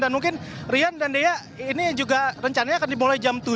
dan mungkin rian dan dea ini juga rencananya akan dimulai jam tujuh